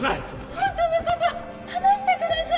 本当の事話してください！